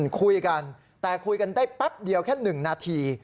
คุยกันแต่คุยกันได้แป๊บเดียวแค่๑นาที